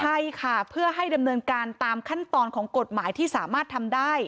ใช่ค่ะเพื่อให้ดำเนินการตามขั้นตอนของกฎหมายที่สามารถทำได้